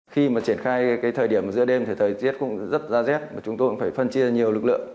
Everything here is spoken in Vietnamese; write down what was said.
khi mà triển khai cái thời điểm giữa đêm thì thời tiết cũng rất ra rét và chúng tôi cũng phải phân chia nhiều lực lượng